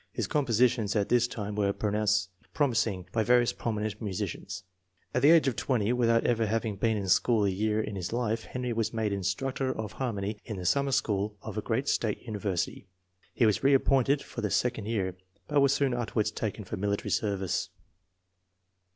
His compositions at this time were pronounced promising by various prominent musi cians. At the age of 0, without ever having been in school a year in his life, Henry was made Instructor of Harmony in the summer school of a great state university. He was reappointed for a second year, but was soon afterwards taken for military service.